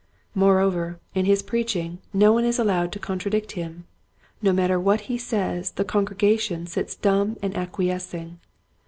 Moreover, in his preaching no one is allowed to contradict him. No matter what he says the congregation sits dumb and acquiescing.